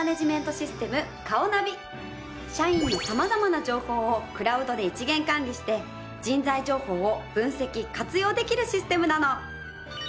社員の様々な情報をクラウドで一元管理して人材情報を分析・活用できるシステムなの。